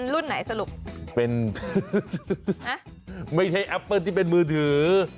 รุ่นไหนสรุปเป็นไม่ใช่แอปเปิ้ลที่เป็นมือถือ